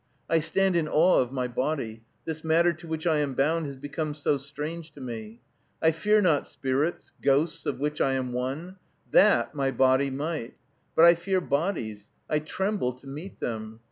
I stand in awe of my body, this matter to which I am bound has become so strange to me. I fear not spirits, ghosts, of which I am one, that my body might, but I fear bodies, I tremble to meet them.